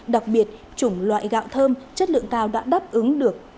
đặc biệt chủng loại gạo thơm chất lượng cao đã đáp ứng được